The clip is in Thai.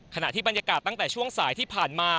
ขณะที่บรรยากาศตั้งแต่ช่วงสายที่ผ่านมา